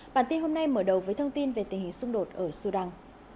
bản tin hôm nay mở đầu với thông tin về tình hình xung đột ở sudan